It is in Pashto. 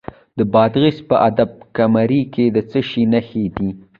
د بادغیس په اب کمري کې د څه شي نښې دي؟